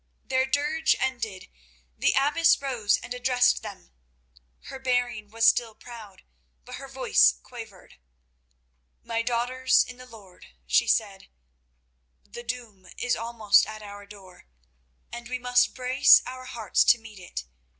Their dirge ended, the abbess rose and addressed them. Her bearing was still proud, but her voice quavered. "My daughters in the Lord," she said, "the doom is almost at our door, and we must brace our hearts to meet it.